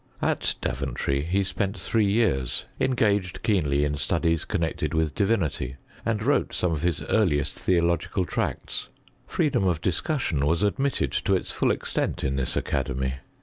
At Daven try he spent three years, engaged keenly in studies connected with divinity, and wrote some of his earliest theological tracts. Freedom of discussion was admitted to its full extent in this academy.